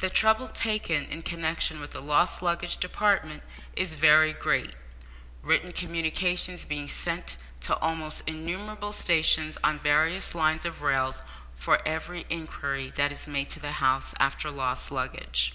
The trouble taken in connexion with the lost luggage department is very great; written communications being sent to almost innumerable stations on various lines of rails for every inquiry that is made to the House after lost luggage.